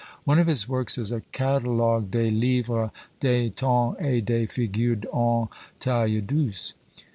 One of his works is a "Catalogue des Livres d'Estampes et de Figures en Taille douce."